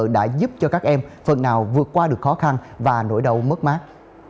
đã giúp cho các em phần nào vượt qua được khó khăn và nỗi đau mất mát